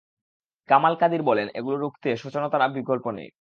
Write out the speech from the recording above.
কামাল কাদির বলেন, এগুলো রুখতে সচেতনতার বিকল্প নেই।